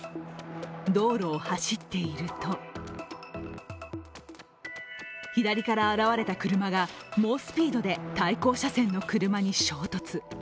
道路を走っていると左から現れた車が猛スピードで対向車線の車に衝突。